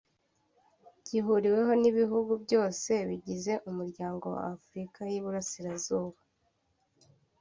gihuriweho n’ibihugu byose bigize umuryango wa Afurika y’Iburasirazuba